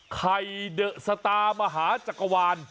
ไข่เดอะสตามหาจักรวาล